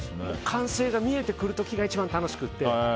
完成が見えてくる時が一番楽しくて。